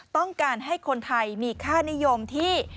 ต้องการให้คนไทยมีค่านิยมที่